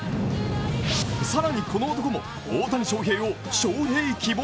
更にこの男も大谷翔平を招へい希望？